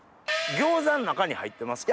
餃子の中に入ってますか？